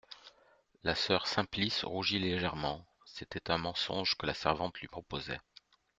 La soeur Simplice rougit légèrement ; c'était un mensonge que la servante lui proposait.